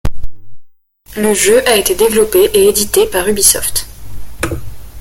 Le jeu a été développé et édité par Ubisoft.